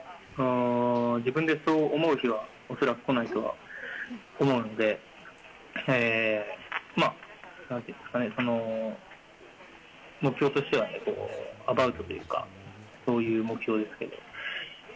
自分でそう思う日は恐らく来ないとは思うんで、なんていうんですかね、目標としてはアバウトというか、そういう目標ですけど。